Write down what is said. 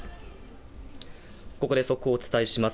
ここで速報をお伝えします。